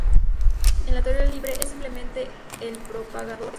En la teoría libre, es simplemente el propagador de Feynman.